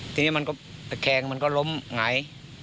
ทีนี้มันก็ตะแคงมันก็ล้มหงาย